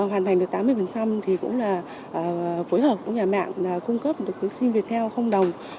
hoàn thành được tám mươi thì cũng là phối hợp của nhà mạng là cung cấp được cái sim việt theo không đồng